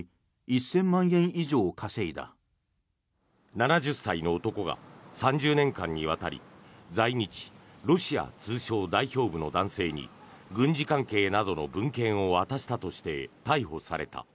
７０歳の男が３０年間にわたり在日ロシア通商代表部の男性に軍事関係などの文献を渡したとして逮捕された。